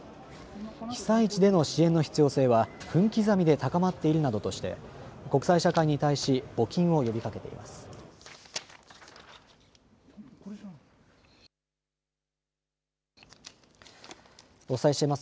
被災地での支援の必要性は分刻みで高まっているなどとして国際社会に対し募金を呼びかけています。